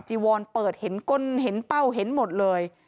วอนเปิดเห็นก้นเห็นเป้าเห็นหมดเลย